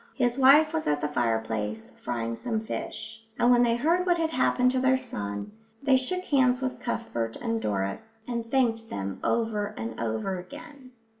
His wife was at the fireplace, frying some fish; and when they heard what had happened to their son, they shook hands with Cuthbert and Doris and thanked them over and over again.